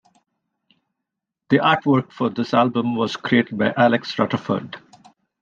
The artwork for this album was created by Alex Rutterford.